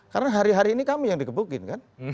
karena hari hari ini kami yang digebukin kan